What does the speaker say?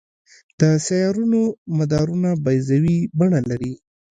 د سیارونو مدارونه بیضوي بڼه لري.